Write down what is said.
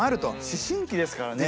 思春期ですからね。